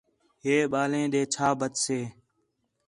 ٻئے ٻالیں ݙے چھا بچسے